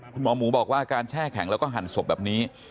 คุณหมอหมูบอกว่าการแช่แข็งแล้วก็หั่นศพแบบนี้